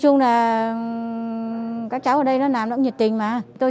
có nghĩa là chúng tôi sẽ bắtérie mới